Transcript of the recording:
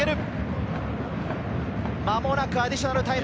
間もなくアディショナルタイム。